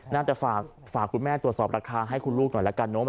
น่าจะฝากคุณแม่ตรวจสอบราคาให้คุณลูกหน่อยแล้วกันเนอะ